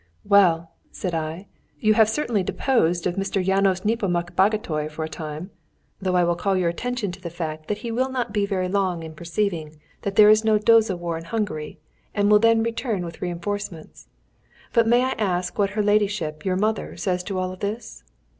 "Well," said I, "you have certainly disposed of Mr. János Nepomuk Bagotay for a time (though I would call your attention to the fact that he will not be very long in perceiving that there is no Dózsa war in Hungary, and will then return with reinforcements), but may I ask what her ladyship your mother says to all this?"